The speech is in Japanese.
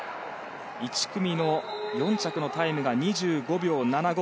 １組の４着のタイムが２５秒７５。